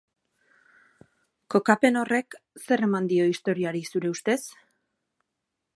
Kokapen horrek zer eman dio istorioari, zure ustez?